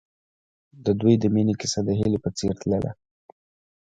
د دوی د مینې کیسه د هیلې په څېر تلله.